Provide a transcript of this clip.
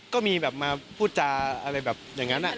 ก็มีแบบมาพูดจาอะไรแบบอย่างนั้น